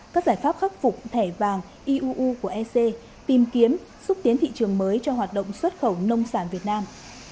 các giải pháp khắc phục thẻ vàng iuu của ec tìm kiếm xúc tiến thị trường mới cho hoạt động xuất khẩu nông sản việt nam